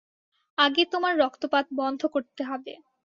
আগে তোমার রক্তপাত বন্ধ করতে হবে।